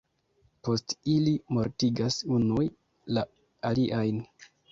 Poste ili mortigas unuj la aliajn.